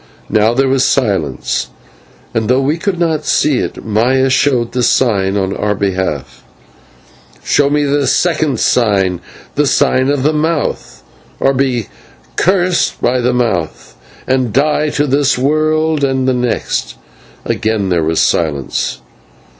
Now there was silence, and, though we could not see it, Maya showed the sign on our behalf. "Show me the second sign, the sign of the Mouth, or be cursed by the Mouth, and die to this world and the next." Again there was silence.